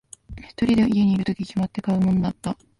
一人で家にいるとき、決まって買うものだった。